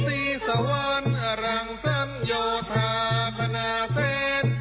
เทวันเทวี่ซี่สวรรค์อรังสันยโธษะภรราแสน